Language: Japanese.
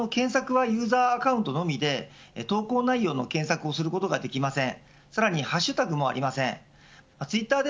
また検索はユーザーアカウントのみで投稿内容の検索をすることができません。